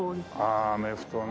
ああアメフトね。